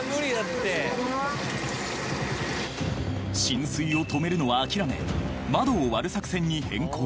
［浸水を止めるのは諦め窓を割る作戦に変更］